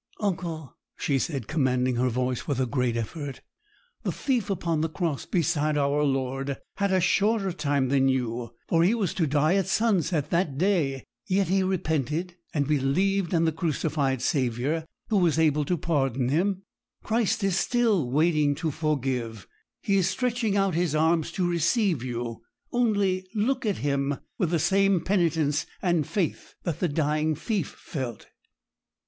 'Uncle,' she said, commanding her voice with a great effort, 'the thief upon the cross beside our Lord had a shorter time than you, for he was to die at sunset that day; yet he repented and believed in the crucified Saviour, who was able to pardon him. Christ is still waiting to forgive; He is stretching out His arms to receive you. Only look at Him with the same penitence and faith that the dying thief felt.'